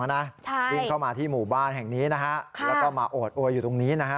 วิ่งเข้ามาที่หมู่บ้านแห่งนี้นะฮะแล้วก็มาโอดโวยอยู่ตรงนี้นะฮะ